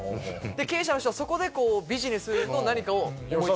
経営者の人はそこでビジネスの何かを。